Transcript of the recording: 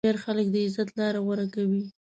هوښیار خلک د عزت لاره غوره کوي.